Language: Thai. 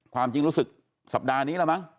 ความจริงรู้สึกสัปดาห์นี้แล้วมั้ง